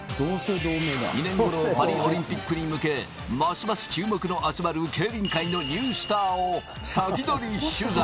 ２年後のパリオリンピックに向け、ますます注目の集まる競輪界のニュースターを先取り取材。